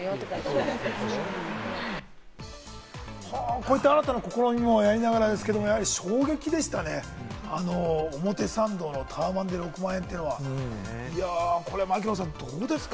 こういったアートな試みもやりながらですけれど、衝撃でしたね、あの表参道のタワマンで６万円というのは。これ、槙野さん、どうですか？